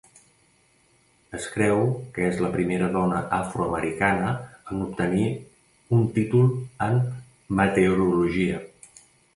Es creu que és la primera dona afroamericana en obtenir un títol en meteorologia.